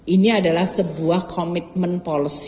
ini adalah sebuah komitmen policy